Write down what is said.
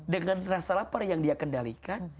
dengan rasa lapar yang dia kendalikan